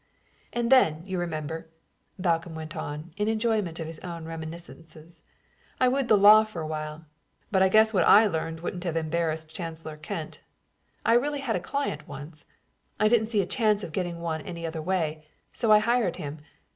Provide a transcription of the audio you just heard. "And then, you remember," Balcomb went on, in enjoyment of his own reminiscences, "I wooed the law for a while. But I guess what I learned wouldn't have embarrassed Chancellor Kent. I really had a client once. I didn't see a chance of getting one any other way, so I hired him.